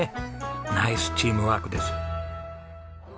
ナイスチームワークです。